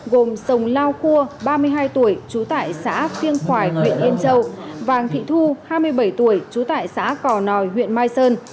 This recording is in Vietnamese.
gồm sông lao cua ba mươi hai tuổi trú tại xã phiêng khoài huyện yên châu vàng thị thu hai mươi bảy tuổi trú tại xã cò nòi huyện mai sơn